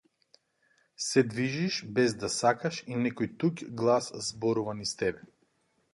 Се движиш без да сакаш и некој туѓ глас зборува низ тебе.